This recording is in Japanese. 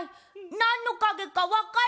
なんのかげかわかる？